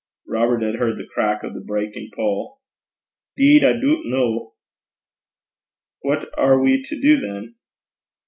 Robert had heard the crack of the breaking pole. ''Deed, I doobt no.' 'What are we to do, then?'